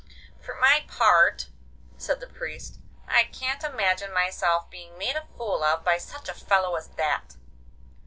'For my part,' said the Priest, 'I can't imagine myself being made a fool of by such a fellow as that!